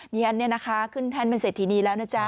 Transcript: นี่อันนี้นะคะขึ้นแท่นเป็นเศรษฐีนีแล้วนะจ๊ะ